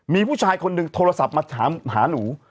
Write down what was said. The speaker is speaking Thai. มีผู้ชายคนหนึ่งโทรศัพท์มาถามหาหนู